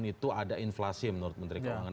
sejak tahun itu ada inflasi menurut menteri keuangan